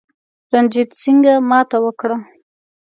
رنجیټ سینګه ماته وکړه.